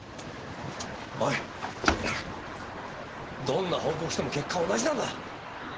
どんな報告しても結果は同じなんだ！